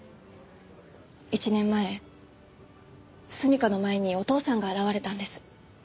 １年前純夏の前にお父さんが現れたんです。